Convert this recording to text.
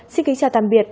xin kính chào tạm biệt